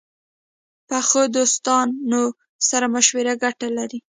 پخو دوستانو سره مشوره ګټه لري